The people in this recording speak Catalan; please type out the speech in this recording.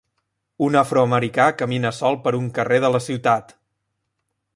Un afroamericà camina sol per un carrer de la ciutat.